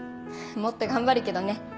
もっと頑張るけどね。